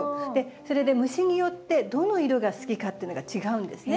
それで虫によってどの色が好きかっていうのが違うんですね。